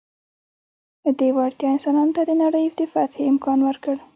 دې وړتیا انسانانو ته د نړۍ د فتحې امکان ورکړ.